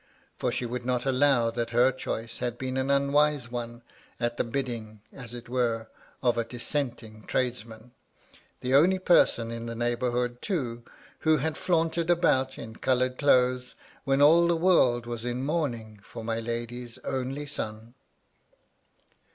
For she would not allow that her choice had been an unwise one, at the bidding (as it were) of a Dissenting tradesman ; the 312 MY LADY LUDLOW, only person in the neighbourhood, too, who had flaunted about in coloured clothes, when all the world was in mourning for my lady's only son.